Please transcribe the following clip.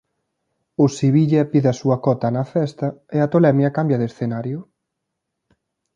O Sevilla pide a súa cota na festa e a tolemia cambia de escenario.